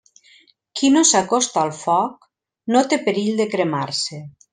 Qui no s'acosta al foc no té perill de cremar-se.